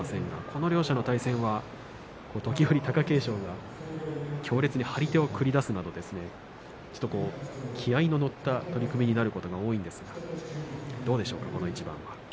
この両者の対戦は時折、貴景勝が強烈に張り手を繰り出すなどちょっと気合いの乗った取組になることが多いんですがどうでしょうか、この一番。